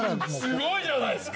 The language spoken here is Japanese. すごいじゃないっすか！